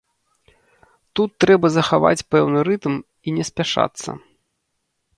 Тут трэба захаваць пэўны рытм і не спяшацца.